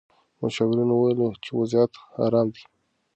مشاورینو وویل چې وضعیت ارام دی.